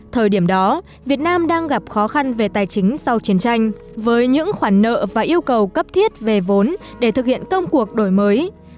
thời điểm đó việt nam đang gặp khó khăn về tài chính sau chiến tranh với những khoản nợ và yêu cầu cấp thiết về vốn để thực hiện công cuộc đổi mới